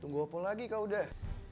tunggu apa lagi kak udah